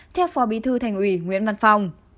theo phó bí thư thành ủy nguyễn văn phòng